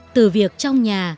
từ việc trong nhà